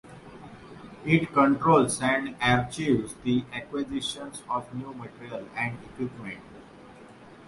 It controls and archives the acquisitions of new materiel and equipment.